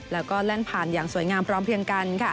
แล้วก็แล่นผ่านอย่างสวยงามพร้อมเพียงกัน